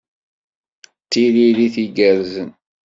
D tiririt igerrzen.